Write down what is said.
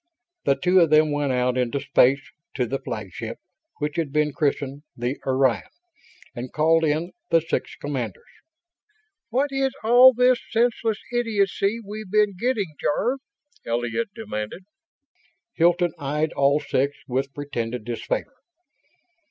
The two then went out into space, to the flagship which had been christened the Orion and called in the six commanders. "What is all this senseless idiocy we've been getting, Jarve?" Elliott demanded. Hilton eyed all six with pretended disfavor.